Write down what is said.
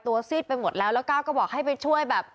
ซีดไปหมดแล้วแล้วก้าวก็บอกให้ไปช่วยแบบ